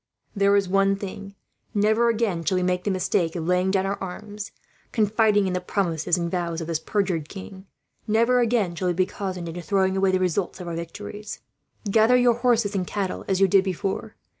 There is one thing: never again shall we make the mistake of laying down our arms, confiding in the promises and vows of this perjured king; never again shall we be cozened into throwing away the results of our victories. "Gather your horses and cattle, as you did before.